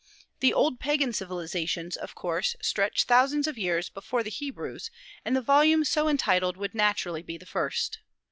The "Old Pagan Civilizations," of course, stretch thousands of years before the Hebrews, and the volume so entitled would naturally be the first.